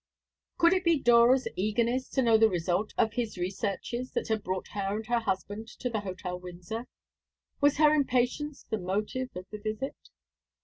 Could it be Dora's eagerness to know the result of his researches that had brought her and her husband to the Hotel Windsor? Was her impatience the motive of the visit?